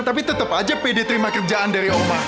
tapi tetap aja pede terima kerjaan dari oma